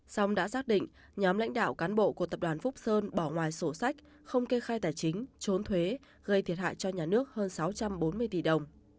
xong đã xác định nhóm lãnh đạo cán bộ của tập đoàn phúc sơn bỏ ngoài sổ sách không kê khai tài chính trốn thuế gây thiệt hại cho nhà nước hơn sáu trăm bốn mươi tỷ đồng